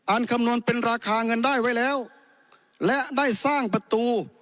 คำนวณเป็นราคาเงินได้ไว้แล้วและได้สร้างประตู